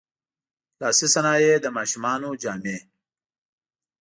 لاسي صنایع، د ماشومانو جامې.